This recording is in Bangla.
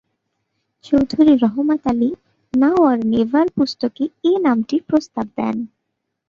Chowdhury Rahmat Ali "now or never" পুস্তকে এ নামটির প্রস্তাব দেন।